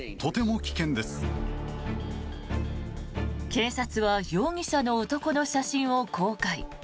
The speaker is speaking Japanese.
警察は容疑者の男の写真を公開。